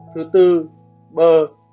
thứ tư bơ